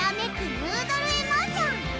ヌードル・エモーション！